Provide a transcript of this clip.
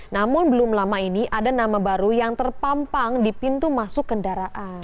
namun belum lama ini ada nama baru yang terpampang di pintu masuk kendaraan